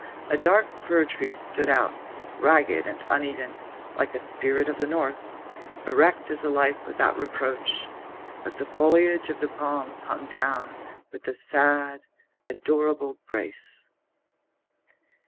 A dark fir tree stood out, ragged and uneven, like a spirit of the North, erect as a life without reproach; but the foliage of the palms hung down with a sad, adorable grace.